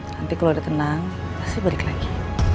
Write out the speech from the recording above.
nanti kalau udah tenang pasti balik lagi